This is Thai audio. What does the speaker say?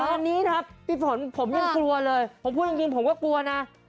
ตอนนี้ครับพี่ฝนผมยังกลัวเลยผมพูดจริงผมก็กลัวนะ